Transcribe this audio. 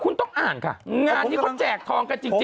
คุณต้องอ่านค่ะงานนี้เขาแจกทองกันจริง